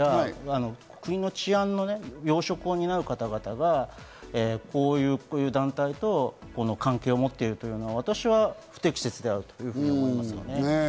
国家安全保障や国の治安の要職を担う方々がこういう団体と関係を持っているというのは、私は不適切だと思います。